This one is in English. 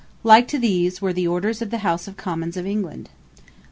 Like to these, were the Orders of the House of Commons in England.